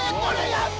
やった！